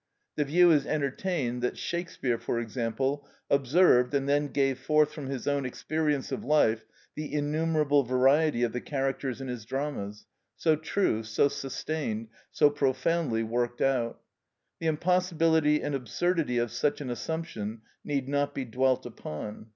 The view is entertained, that Shakespeare, for example, observed, and then gave forth from his own experience of life, the innumerable variety of the characters in his dramas, so true, so sustained, so profoundly worked out. The impossibility and absurdity of such an assumption need not be dwelt upon.